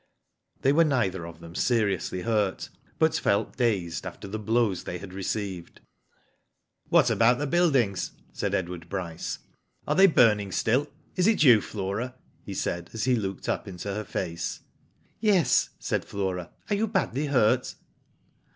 They were neither of them seriously Jiurt, but felt dazed after the blows they had received. " What about the buildings ?'' said Edward Bryce. "Are they burning still? Is it yoii. Flora?*' he said, as he looked up into her face. *'Yes," said Flora; "are you badly hurt?"